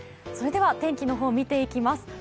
それでは天気の方見ていきます。